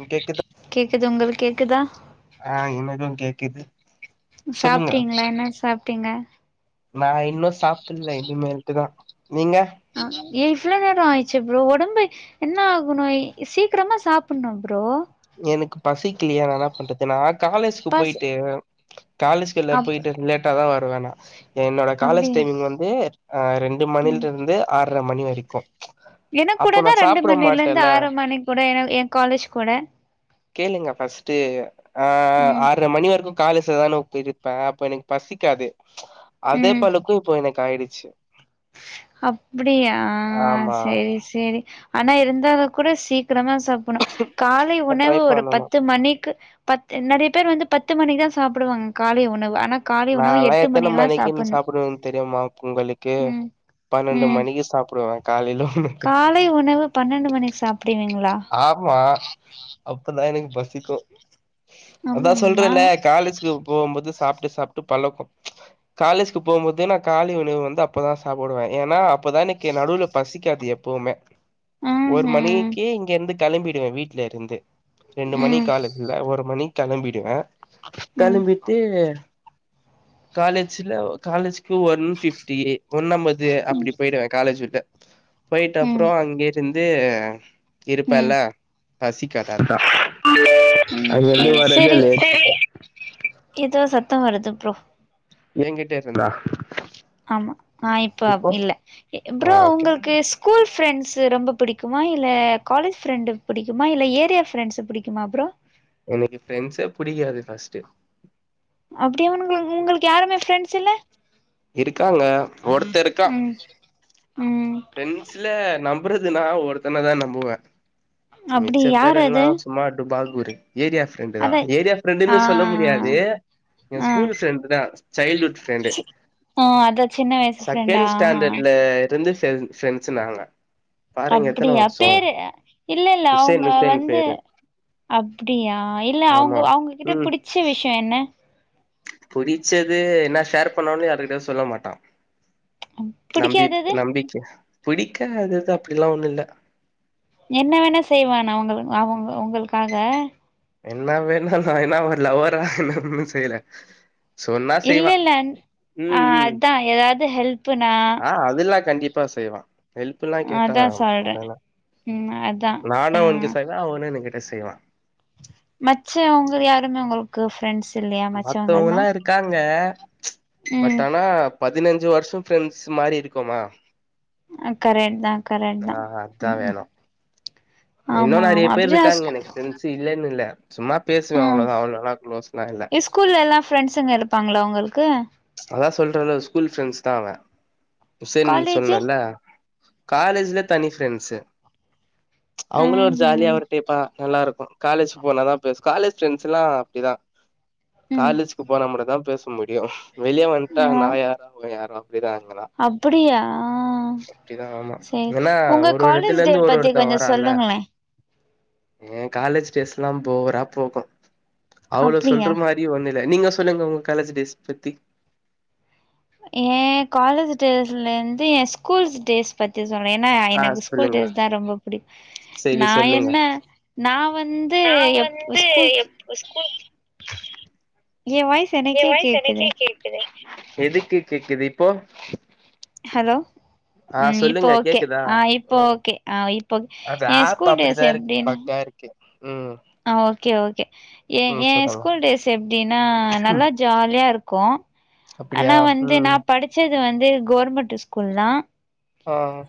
ம் கேக்குத உங்களுக் கேக்குதா ஆஹ் இனிமேதான் கேக்குது சொல்லுங்க சாப்பிட்டீங்களா என்ன சாப் ட்டீங்க நா இன்னும் சாப்பிடல இனிமேல்ட்டுதான் நீங்க ஆ ஏ இவ்வளோ நேரம் ஆயிடுச்சு ப்ரோ உடம்பு என்ன ஆகணு சீக்கிரமாக சாப்பிட்ணும் ப்ரோ எனக்கு பசிக்கலையா நா என்ன பண்றது நா ஆ காலேஜுக்கு பசி போயிட்டு காலேஜுக அப் போயிட்டு லேட்டா தான் வ வோன என்னோட காலேஜ் அப்டியா டைமிங் வந்து ஆஹ் ரெண்டு மணில ம் இருந்து ஆறரை மணி வரைக்கும் எனக்கு கூட அப்போ தா நா ரெண்டு சாப்பிட மணில இருந்து மாட்டேன்ல ஆறு மணி கூட என எ காலேஜ் கூட கேளுங்க பஃர்ஸ்ட்டு ஆ ம் ஆறரை மணி வரைக்கும் காலேஜில தானே போயிருப்பேன் அப்ப எனக்கு பசிக்காது அதே பழுக்கும் இப்போ எனக்கு ஆயிடுச்சு அப்படியா ஆமா சேரி சேரி ஆனா இருந்தாலு கூட சீக்கிரமா சாப்பனும் காலை ட்ரை உணவு ஒரு பண்ணனு பத்து மணிக்கு பத்து நிறைய பேர் வந்து பத்து மணிக்கு தான் சாப்பிடுவாங்க காலை உணவு ஆனா காலை உணவு நான்ல்லா எட்டு எத்தனை மணிலா மனைிக்குனு சாப்புட்ணு சாப்பிடுவேன்னு தெரியுமா உங்களுக்கு க்கு ம் பன்னெண்டு ம் மணிக்கு சாப்புடுவேன் காலை உணவு பன்னெண்டு மணி சாப்பிடுவீங்க ஆமா அப்பதா எனக் பசிக்கு அதா அம்மா சொல்றேல்ல காலேஜுக்கு போவும்போது சாப் ப்ட்டு சாப்ட்டு பழக்கொ காலேஜ்கு போம்போது நா காலை உணவு வந்து அப்பதா சாப்புடுவே ஏனா அப்பதா எனக்கு நடுவுல பசிக்காது எப்பவுமே ஒரு ம்ஹும் மணிக்கி ந்து கெளம்பிடுவே வீட்லருந்து ரெண்டு மணி ம் காலேஜ்ல ஒரு மணி கெளம்பிடுவே ம் களம்பிட்டு காலேஜ்ல காலேஜ் கு ஒன் ஃபிஃப்டியெ ஒன்னம்பது ம் அப்டி போயிடுவே காலேஜ் விட்டு போயிட்டு ம் அப்பறோ அங்கே இருந் து ம் இருப்பெல்ல பசிக்காது அதா ம் அங்கேர்ந்து வரதே லேட் சரி எதோ சத்தம் வருது ப்ரோ எங்கிட்டேருந்தா ஆமா ஆ இப்ப இல்ல ஆ ப்ரோ ஓகே உங்களுக்கு ஸ்கூல் ஃப்ரெண்ட்ஸு ரொம்ப புடிக்குமா இல்ல காலேஜ் ஃப்ரெண்ட் புடிக்குமா இல்ல ஏரியா ஃப்ரெண்ட்ஸு புடிக்குமா ப்ரோ எனக்கு ஃப்ரெண்ட்ஸே புடிக்காது ஃபர்ஸ்ட்டு அப்டியவனுங்கள் உங்களுக்கு யாருமே ஃப்ரெண்ட்ஸ் இல்ல இருக்காங்க ஒருத்த இருக்கா ம் ம் ஃப்ரெண்ட்ஸ்ல நம் புறதுனா ஒருத்தனதா நம்புவே அப்டி மிச்ச யார் பேரேல்லா அது சும்மா டுபாக்கூர் [inaudible] ஏரியா ஃப்ரண்டுதா அத ஏரியா ஆ ஃப்ரண்டுன்னு சொல்ல முடியாது எ ஆ ஸ்கூல் ஃப்ரெண்டு் தா சைல்டு ஹூட் ஃப்ரெண்டு ஆ அதா சின்ன வயசு ஃப்ரெண்டா செகண்ட் ஆஹா ஸ்டாண்டர்ட்ல [unintelligible] டென்சென்ஸுநாங்க அப்டியா பேரு இல்ல இல்ல உசேன் அவுங்க உசேன் வந்து பேரு அப்டியா இல்ல ஆமா அவுங்க அவுங்ககிட்ட ம் புடிச்ச விஷ்ய என்ன புடிச்சது என்ன ஷேர் பண்ணாலு யாருக்கிட்டயு சொல்ல மாட்டா நம்பி புடிக்காதது நம்பிக்க புடிக்காதது அப்டிலா ஒண்ணுல்ல என்ன வேணாசெய்வானா அவங்களு அவங்க உங்களுக்காக என்ன வேணும்ன்ன என்ன ஒரு லவரா என்ன செய்யல சொன்னா இல்ல செய்வான் இல்ல ஆ உம் உம் அதா ஏதாவது ஹெல்ப்புனா ஆஹ் அதுல்லாம் கண்டிப்பா செய்வான் ஹெல்ப்புல்லாம் கேட்டா அதா சொல்றே ம் அதா ஆ நானும் அவன்க்கு செய்வே அவனே எனக் செய்வா மச்ச அவங்க யாருமே உங்களுக்கு ஃப்ரண்ட்ஸ் மத்தவங்கலா இருக்காங்க ம் பட் ஆனா பதினஞ்சு வருஷம் ஃப்ரெண்ட்ஸ் மாரி இருக்கோமா கரட் தான் கரட் தான் உம் இன்னும் நெறைய பேர் இருக்காங்க எனக்கு தெரிஞ்சி இல்லன்னு இல்ல சும்மா பேசுவே ஹம் அவ்ளோதா அவ்ளோலா க்ளோஸ்லா இல்ல ஸ்கூல்ல எல்லாம் ஃப்ரெண்ட்ஸங்க இருப்பாங்களா உங்களுக்கு அதான் சொல்றல ஒரு ஸ்கூல் ஃப்ரெண்ட்ஸ் தான் அவன் ஹுசேன் காலேஜு சொன்னேல காலேஜ்ல தனி ஃப்ரெண்ட்ஸு அவங்களும் ஒரு ஜாலியா ம்ஹும் ஒரு டைப்பா நல்லா இருக்கும் காலேஜ் போனாதான் பேசும் காலேஜ் ஃப்ரெண்ட்ஸ் எல்லாம் அப்படிதான் ம் காலேஜுக்கு போன மட்டுதான் பேச முடியும் வெளிய வன்டா நான் யாரோ அவனுங்க யாரோ அப்டிதா அங்கலா அப்படியா அப்டிதா ஆமா செரி ஏன்னா உங்க ஒரு ஒரு காலேஜ் எடத்துல டே பத்தி கொஞ்சம் சொல்லுங்ளே ஏன் காலேஜ் டேஸ் எல்லாம் போரா போகு அவ்ளோ அப்டியா சொல்ற மாதிரி ஒண்ணு ல்ல நீங்க சொல்லுங்க உங்க காலேஜ் டேஸ் பத்தி என் காலேஜ் டேஸ்ல இருந்து என் ஸ்கூல்ஸ் டேஸ் பத்தி ஏன்னா ஆ எனக்கு ஸ்கூல் சொல்லுங்க டேஸ் தான் ரொம்ப புடிக்கும் சேரி நான் சொல்லுங்க என்ன நான் வந்து நா வந்து ஸ்கூல் எப் ஸ்கூல் ஏ வாய்ஸ் எ எனக்கே வாய்ஸ் கேக்குது எனக்கே கேக்குது எதுக்கு கேக்குது இப்போ ஹலோ ஆ உம் இப்போ சொல்லுங்க ஓகே கேக்குதா ஆஹ் இப்போ ம் ஓகே ஆஹ் இப்ப அது என் ஆப் ஸ்கூல் டேஸ் அப்டிதா இருக்கு எப்டினு பக்கா இருக்கு ம் ஓகே ஓகே ஏ ம் என் சொல்லுங்க ஸ்கூல் டேஸ் எப்டின்னா நல்லா ஜாலியா இருக்கும் கோ அப்டியா ஆனா வந்து ம் நான் படிச்ச து வந்து கவர்வர்மெண்ட் ஸ்கூல் தான் ஆஹ்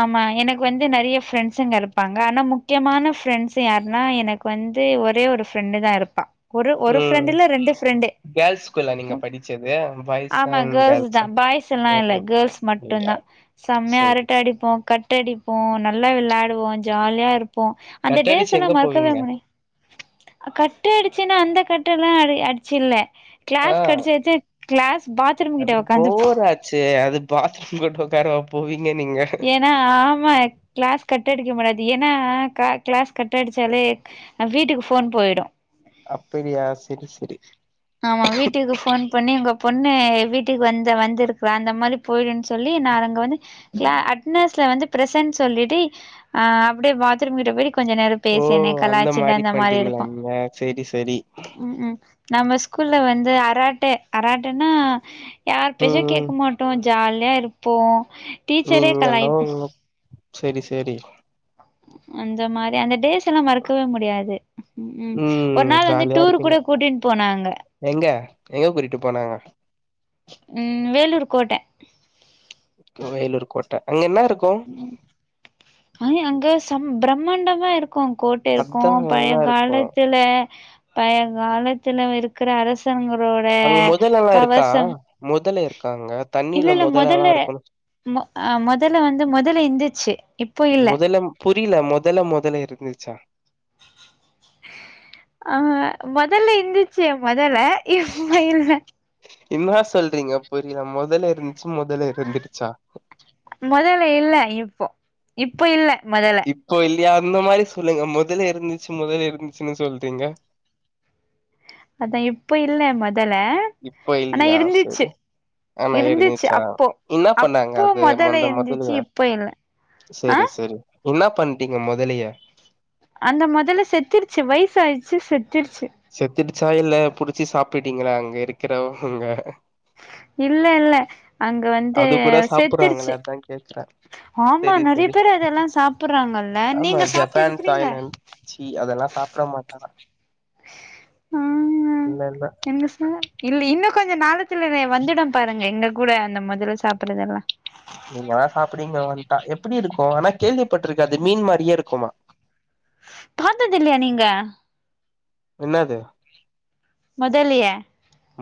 ஆமா எனக்கு வந்து நிறைய ஃப்ரெண்ட்ஸுங்க இருப்பாங்க ஆனா முக்கியமான ஃப்ரெண்ட்ஸ் யாருன்னா எனக்கு வந்து ஒரே ஒரு ஃப்ரெண்டு தான் இருப்பா ஒரு ஒரு ம் ஃப்ரெண்டு இல்ல ரெண்டு ஃப்ரெண்டு கேர்ள்ஸ் ஸ்கூலா நீங்க படிச்சது பாய்ஸ் ஆமா அண்ட் கேர்ள்ஸ் கேர்ள்ஸா தான் பாய்ஸ் எல்லாம் இல்ல கேர்ள்ஸ் மட்டும் அப்டியா தான் மே சரி அரட்ட சரி அடிப்போம் கட்ட அடிப்போம் நல்ல விளையாடுவோம் ஜாலியா இரு போ கட்டடிச்சு எங்க அந்தடல்ஸ்லாம் மறக்கவே போவீங்க முடியு கட்டடுச்சுனா அந்த கட்ட எல்லாம் அ அடிச்சில்ல ஆஹ் பாத்ரூம் கிட்ட அது உக்காந்துப்போ போராச்சே அது பாத்ரூம்கிட்டு உக்கரவ போய் ஏன்னா ஆமா கிளாஸ் கட்ட அடிக்க முடியாது ஏன்னா கிளாஸ் கட்ட அடிச்சாலே வீட்டுக்கு ஃபோன் போயிடும் அப்படியா சரி சரி ஆமா வீட்டுக்கு போன் பண்ணி உங்க பொண்ணு வீட்டுக்கு வந்த வந்திருக்ரா அந்த மாரி போயிடும்ன்னு சொல்லி நான் அங்க வந்து அட்னஸ்ல வந்து பிரசன்ட் சொல்லிட்டு அஹ் அப்படியே பாத்ரூம் கிட்ட போய் கொஞ்ச நேரம் ஓ பேசனே கலாச்சிட்டு அந்த மாரி பண்றீங்களா இருப்போம் நீங்க சரி சரி உம் உம் நம்ம ஸ்கூல்ல வந்து அராட்ட அராட்டன்னா யாருபேச்சும் ம் கேக்க மாட்டோம் ஜாலியா இருப்போம் நீங்க எல்லாம் உ சரி சரி அந்த மாரி அந்த டேஸ் ல்லாம் மறக்கவே முடியாது உம் ஒரு ம் நாள் வந்து ஜாலியா டூர் இருப்பீங்க கூட கூட்டீன் போனாங்க எங்க எங்க கூட்டிட்டு போனாங்க உம் வேலூர் கோட்ட வேலூர் கோட்ட அங்க என்ன இரு உம் ஹ அங்க சம் பிரமாண்டமா இரு கும் கோட்ட அதா இருக்கும் பழைய என்ன இருக்கு காலத்துல பயங்காலத்தில இருக்கிற அரசு ங்ரோட அங்க முதலல்லா இருக்கா கவசம் முதல இருக்காங்க இல்ல தண்ணில இல்ல முதலல்லா முதல்ல இருக்குனு முதல்ல வந்து முதல்ல இருந்துச்சு இப்போ இல்ல முதல்ல புரியல மு முதல முதல இருந்துச்சா ஆஹ மோதல்ல இந்தந்துச்சு மொதல்ல இப்போ இல்ல என்ன சொல்றீங்க புரியல முதல்ல இருந்து முதல்ல இருந்துடுச்சா மொதல்ல இல்ல இப்போ இப்ப இல்ல மொதல்ல இப்போ இல்லையா அந்த மாரி சொல்லுங்க முத முதல இருந்துச்சு முதல இருந்துச்சுன்னு சொல்றீங்க அதா இப்போ இல்ல மத இப்ப இல்லையா செரி ஆனா இருந்துச்சு எழுச்சா அப்போ என்ன பண்ணாங்க அப்போ அது மொதல்ல முந்த முதல இருந்துச்சு இப்ப இல்ல ஆ செரி செரி என்ன பண்ணிட்டீங்க முதலிய அந்த முதல்ல செத்திருச்சு வயச ஆயிடுச்சு செத் திருச்சி சாயல்ல புடிச்சி சாப்பிட்டீங்களே அங்க இருக்கிற அங்க இல்ல இல்ல அங்க வந்து அது கூட சாப்புறாங்களே செத்திருச்சு அதா கேக்குறே ஆமா செரி நிறைய செரி பேரு அதெல்லா சாப்படுறாங்கல்ல ஆமா நீங்க சாப்பிட்டு ஜப்பான் இருக்கறீங்க தாய்லாந்து ச்சீ அதெல்லா சாப்ட மாட்டானா ஆஹ் இல்ல இல்ல எங்க சார் இல்ல இன்னும் கொஞ்சம் நாளத்துல வந்துடும் பாருங்க எங்க கூட அந்த முதல சாப்பறதுல்லாம் நீங்கல்லா சாப்பிடுங்க வந்துட்டா எப்படி இருக்கும் ஆனா கேள்விப்பட்டிருக்க அது மீன் மாரியே இருக்குமா பார்த்ததுல்லையா நீங்க என்னது மொதலைய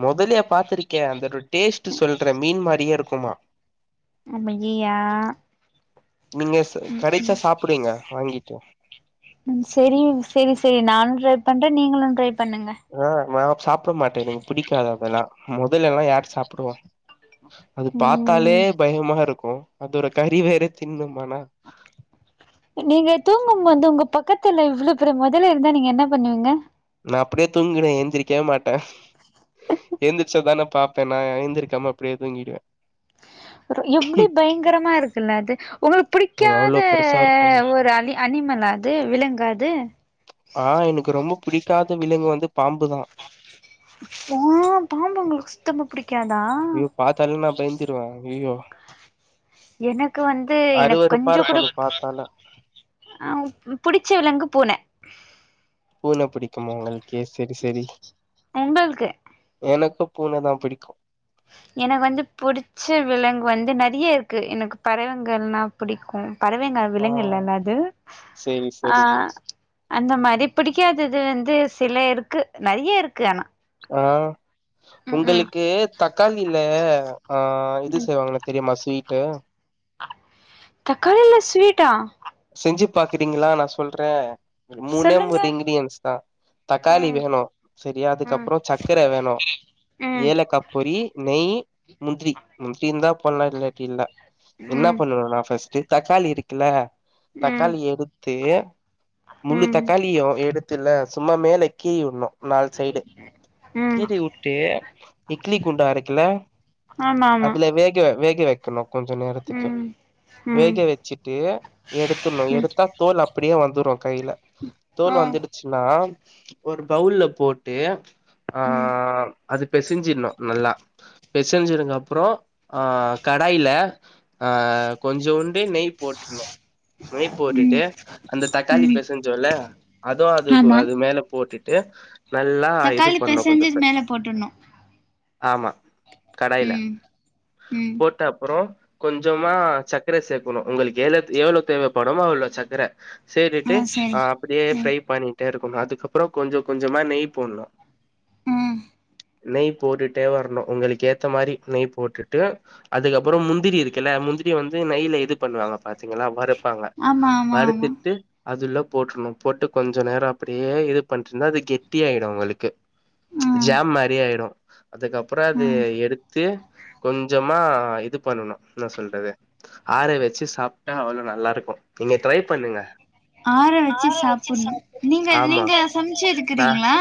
முதலியா பாத்திருக்கேன் அந்த ஒரு டேஸ்ட் சொல்றேன் மீன் மாதிரியே இருக் க்குமா அப்படியம் நீங்க ச கெடைச்சா சாப்டுங்க வாங்கிட்டு செரி செரி செரி நான ட்ரை பண்ற நீங்களு ட்ரை பண்ணுங்க ஆஹ் ந சாப்பிட மாட்டேன் எனக்கு புடிக்காது அதெல்லா முதல எல்லா யார் சாப்பிடுவ அது பாத்தாலே ம் பயமா இருக்கு அது ஒரு கறி வேற தின்னும் நீங்க தூங்கும் போது வந்து உங்க பக்கத் தல முதல இவ்ளவு பெரிய முதல இருந்தா நீங்க என்ன பண்ணுவீங்க நா அப்படியே தூங்கிடுவேன் எந்திரிக்கவே மாட்டே எழுந்திரிச்சதானே பாார்பப்பேன் நா எழுந்திருக்காம அப்படியே தூங்கிடுவே அப்புறே எப்டி பயங்கரமா இருக்குல்ல அது உங்களுக்கு அது பிடிக்காத அவ்ளோ பெருசா இருக்கு ஒரு அலி அனிமல் அது விலங்கது ஆஹ் எனக்கு ரொம்ப பிடிக்காத விலங்கு வந்து பாம்புதா ஆ பாம்பு உங்களுக்கு சுத்தமா பிடிக்காதா ஐயோ பாத்தல்லனா பயந்திடுவா ஐய்யோ எனக்கு வந்து எனக்கு கொஞ்சம் இருக்கு கூட அது பாத்தாலே அஹ் புடிச்ச விலங்கு பூன பூன பிடிக்கும்மா உங்களுக் கே சேரி சேரி உங்களுக்கு எனக்கு பூன தான் பிடிக்கும் எனக்கு வந்து புடிச்ச விலங்கு வந்து நிறைய இருக்கு எனக்கு பறவைங்கனா புடிக்கும் பறவைங்க ஆ விலங்கல்லல்ல அது செரி செரி ஆஹ் அந்த மாரி பிடிக்காதது வந்து சில இருக்கு நெறைய இருக்கு ஆனா ஆஹ் ம் ம் உங்களுக்கு தக்காளில ஆஹ் இது செய்வாங்கன்னா தெரியுமா ஸ்வீட்டு தக்காளில ஸ்வீட்டா ஞ்சு பாக்குறீங்களா நா சொல்றே மூனே சொல்லுங்க மூனு இன்கிடியன்ஸ் தான் தக்காளி ம் வேணோ சரியா ம் அதுக்கப்பற சர்க்கர வேணோ ம் ஏலக்க பொரி நெய் முந்திரி முந்திரிந்தான் போண்ணலா இல்லாட்டி இல்ல என்ன பண்ணு நா ஃபஸ்ட் தக்காளி இருக்குல்ல ம் ம் தக்காளி எடுத்து முழு ம் தக்காளியும் எடுத்துல சும்மா மேலகீய்யுண்ணு நாலு சைடு ம் கீறிவுட்டு இக்லி குண்டா இருக்குல ஆமா ஆமா அதுல வேக வேக வைக் [unintelligible] கொஞ்ச நேரத்துக்கு ம் ம் வேக வச்சிட்டு எடுத்துர்னு ம் எடுத்தா தோல் அப்படியே வந்துரு கையில ஆ தோல் வந்துடுச்சின்னா ஒரு பவுள்ள போட்டு ம் ஆஹ் அது பெசிஞ்சின்னோ நல்லா பெச்சஞ்சிருங்க அப்பறோ ஆஹ் கடாயில ஆஹ் கொஞ்சோண்டு நெய் போட்ருணோ நெய் போட்டுட்டு அந்த தக்காளி ம் பெசோஞ்சோல அதுவும் அது ஆமா அது மேல போட்டு ட்டு தக்காளி பெசெஞ்சி இதுமேல போட்டுனோ ஆமா கடாயில ம் போட்ட அப்பறோ கொஞ்சமா சக்கர சேர்க்கனு உங்களுக்கு ஏலக் எவ்வளோ தேவைப்படுமோ அவ்வளோ சக்கர ஆ சேரிட்டு சரி அப்படியே ம் ஃப்ரை பண்ணிட்டே இருக்கு போ அதுக்கப்பறமா கொஞ்ச கொஞ்சமா நெய் போடணு உம் நெய் போட்டுட்டே வரணோ உங்களுக்கு ஏத்த மாரி நெய் போட்டுட்டு அதுக்கப்பறோ முந்திரி இருக்குல்ல முந்திரி வந்து நெய்ல இது பண்ணுவாங்க கிலா வருறுப்பாங்க ஆமா ஆமா ஆமா வருறுத்துட்டு அதுல போட்டுறணும் போட்டு கொஞ்சம் நேரம் அப்படியே இது பண்ணிருந்தா அது கெட்டியா ஆகிடும் உங்களுக்கு ஆ ஜாம் மாதிரி ஆயிடும் அதுக்கப்புறம் ஆ அது எடுத்து கொஞ்சமா இது பண்ணணும் என் சொல்றது ஆற வச்சு சாப்ப ட்டா அவ்வளோ நல்லா இருக்கு நீங்க ட்ரை பண்ணுங்க ஆற வச்சு சாப்புண்ணு நீங்க நீங்க சமைச்சு இருக்குறீங்ளா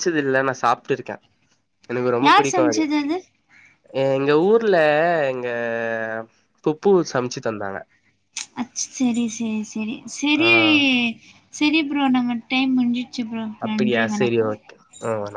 ச்சது இல்ல நா சாப்ட்டுருக்கே எனக்கு ரொம்ப யார் புடிக்கு சமச்சது அது எங்க ஊர்ல எங்க புப்பு சமச்சு தந்தாங்க அச் செரி செரி செரி ஆ செரி செரி ப்ரோ நம்ம டைம் முஞ்சு அப்பிடியா செரி ஓகே உம் வண